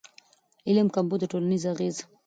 علم کمبود او ټولنیز اغېز